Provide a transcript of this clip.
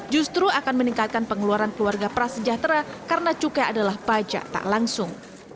justru akan meningkatkan pengeluaran keluarga prasejahtera karena cukai adalah pajak tak langsung